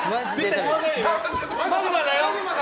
マグマだよ！